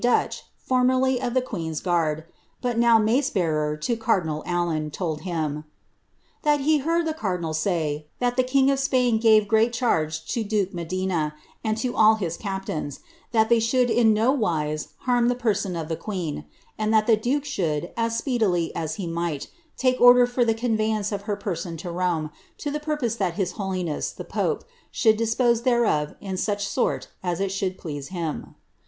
Dutche, formerly of the queen's guard, but now mace bearer to cardinal Allen, told him, ^ that he heard the cardinal say, that the king of Spain gave great charge to duke Medina, and to all his cap* tains, that they should in nowise harm the person of the queen ; and that the duke should, as speedily as he might, take order for the convey* aoce of her person to Rome, to the purpose that his holiness, the pope, ihouU dispose thereof in such sort as it should please him."